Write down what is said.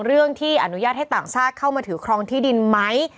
เรื่องที่อนุญาตให้ต่างชาติเข้ามาถือครองที่ดินไหม